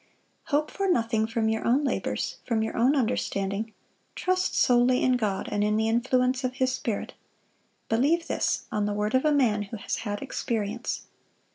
Hope for nothing from your own labors, from your own understanding: trust solely in God, and in the influence of His Spirit. Believe this on the word of a man who has had experience."